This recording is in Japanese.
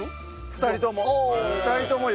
２人とも。